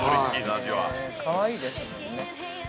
◆かわいいですもんね。